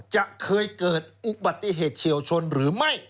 จะเคยเกิดอุบัติเหตุเฉียวชนหรือไม่